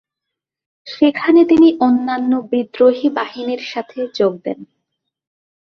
সেখানে তিনি অন্যান্য বিদ্রোহী বাহিনীর সাথে যোগ দেন।